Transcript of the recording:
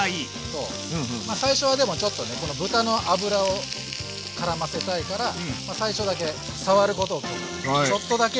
最初はでもちょっとねこの豚の脂をからませたいから最初だけ触ることを許可。